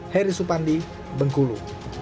heri supandi bungkulu